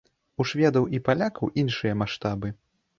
У шведаў і палякаў іншыя маштабы.